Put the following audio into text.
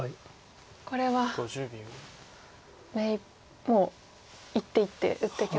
これはもう一手一手打っていけば。